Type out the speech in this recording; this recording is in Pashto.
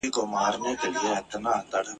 لا یې پر ملاباندي را بار کړه یوه بله بورۍ !.